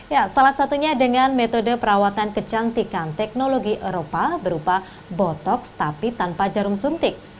ya salah satunya dengan metode perawatan kecantikan teknologi eropa berupa botoks tapi tanpa jarum suntik